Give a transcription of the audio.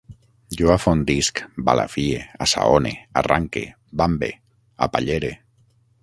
Jo afondisc, balafie, assaone, arranque, bambe, apallere